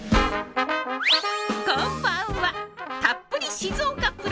こんばんは「たっぷり静岡＋」